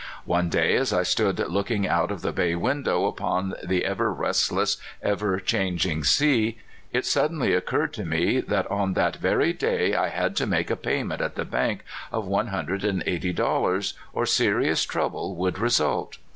One day as I stood looking out of the bay window upon the ever rest less, ever changing sea, it suddenly occurred to me that on that very day I had to make a payment at the bank of one hundred and eighty dollars, or serious trouble would result.